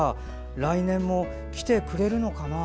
来年も来てくれるのかな？